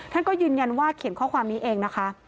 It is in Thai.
ท่านก็ยืนยันว่าเขียนข้อความนี้เองนะคะ